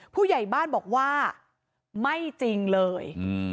ผู้ใหญ่บ้านบอกว่าไม่จริงเลย